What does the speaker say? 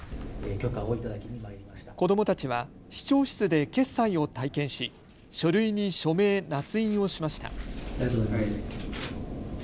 子どもたちは市長室で決裁を体験し、書類に署名・なつ印をしました。